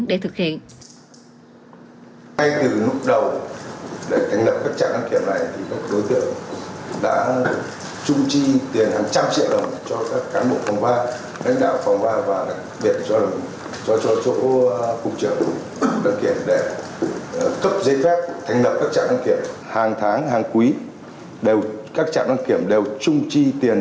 để thực hiện